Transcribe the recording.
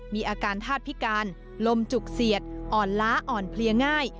มีอาการธาตุพิการลมจุกเสียดอ่อนล้าอ่อนเพลียง่าย